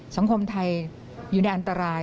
สังคมไทยอยู่ในอันตราย